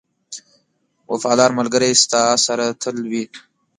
• وفادار ملګری ستا سره تل وي.